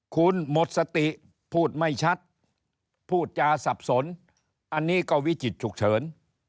คุณหมดสติพูดไม่ชัดพูดจาสับสนอันนี้ก็วิจิตฉุกเฉิน